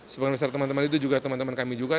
sebagian besar teman teman itu juga teman teman kami juga